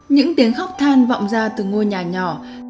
những tiếng khóc than vọng ra từ ngôi nhà nhỏ